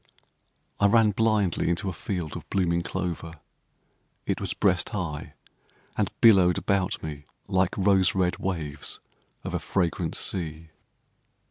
I ran blindly into a field of blooming clover. It was breast high, and billowed about me like rose red waves of a fragrant sea.